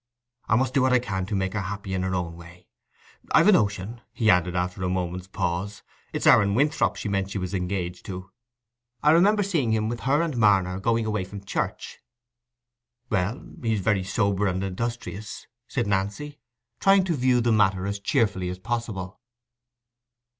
I must do what I can to make her happy in her own way. I've a notion," he added, after a moment's pause, "it's Aaron Winthrop she meant she was engaged to. I remember seeing him with her and Marner going away from church." "Well, he's very sober and industrious," said Nancy, trying to view the matter as cheerfully as possible.